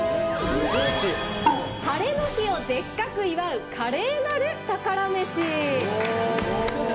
「ハレの日をでっかく祝う華麗なる宝メシ！」。